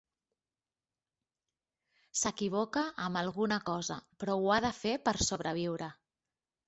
S'equivoca amb alguna cosa, però ho ha de fer per sobreviure.